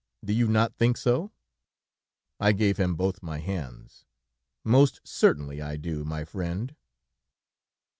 Do you not think so?" I gave him both my hands: "Most certainly I do, my friend."